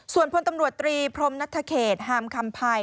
ส่วนพลตำรวจตรีพรมนัทเขตฮามคำภัย